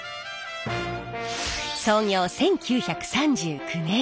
創業１９３９年。